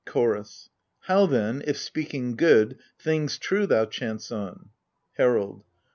CHOROS. How then if, speaking good, things true thou chance on? HERALD.